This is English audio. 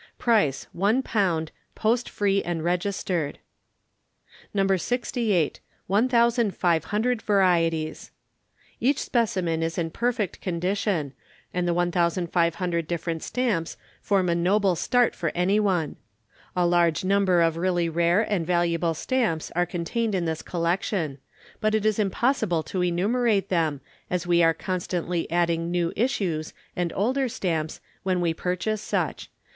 Price £1, post free and registered. No. 68, 1,500 VARIETIES. Each specimen is in perfect condition, and the 1,500 different Stamps form a noble start for anyone. A large number of really rare and valuable Stamps are contained in this collection; but it is impossible to enumerate them, as we are constantly adding New Issues and Older Stamps when we purchase such.